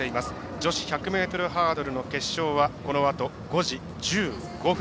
女子１００ｍハードルの決勝はこのあと５時１５分。